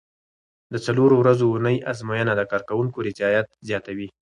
د څلورو ورځو اونۍ ازموینه د کارکوونکو رضایت زیاتوي.